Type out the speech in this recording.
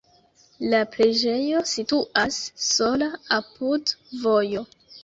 La preĝejo situas sola apud vojo.